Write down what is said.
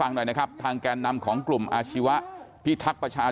นี่คือก็แก่นนำของเขานะครับ